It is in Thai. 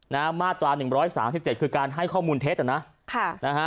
มาตราหนึ่งร้อยสามสิบเจ็ดคือการให้ข้อมูลเท็จอ่ะนะค่ะนะฮะ